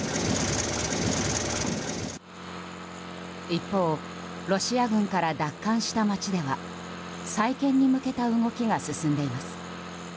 一方ロシア軍から奪還した街では再建に向けた動きが進んでいます。